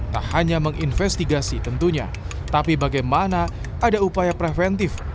tak hanya menginvestigasi tentunya tapi bagaimana ada upaya preventif